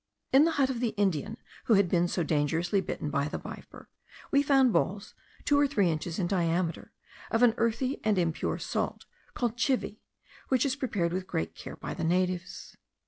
In the hut of the Indian who had been so dangerously bitten by the viper, we found balls two or three inches in diameter, of an earthy and impure salt called chivi, which is prepared with great care by the natives.